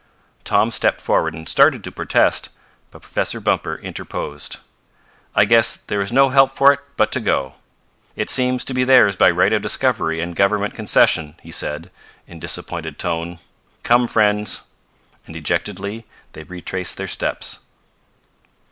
Tom stepped forward and started to protest, but Professor Bumper interposed. "I guess there is no help for it but to go. It seems to be theirs by right of discovery and government concession," he said, in disappointed tone. "Come friends"; and dejectedly they retraced their steps.